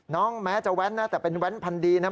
แม้จะแว้นนะแต่เป็นแว้นพันดีนะ